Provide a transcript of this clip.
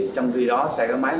trong khi đó xe máy